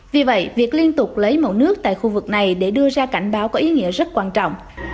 vì vậy việc liên tục lấy mẫu nước tại khu vực này để đưa ra cảnh báo có ý nghĩa rất quan trọng